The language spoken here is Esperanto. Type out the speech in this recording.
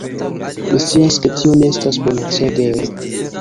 Mi scias, ke tio ne estas bona, sed...